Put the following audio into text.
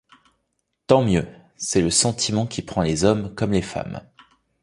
Tant mieux ; c'est le sentiment qui prend les hommes comme les femmes.